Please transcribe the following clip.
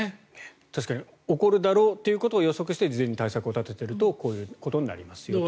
確かに起こるだろうということを予測して事前に対策を立てているとこういうことになりますよと。